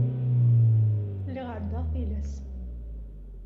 Lliɣ εeddaɣ tilas.